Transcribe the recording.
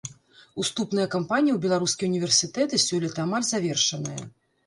Уступная кампанія ў беларускія ўніверсітэты сёлета амаль завершаная.